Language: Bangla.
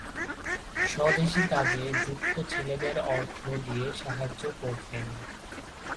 স্বদেশী কাজে যুক্ত ছেলেদের অর্থ দিয়ে সাহায্য করতেন।